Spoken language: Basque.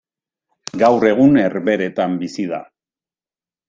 Gaur egun Herbehereetan bizi da.